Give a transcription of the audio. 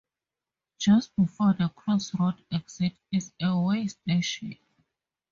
Just before the Cross Road exit is a weigh station.